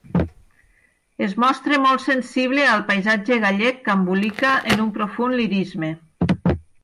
Es mostra molt sensible al paisatge gallec que embolica en un profund lirisme.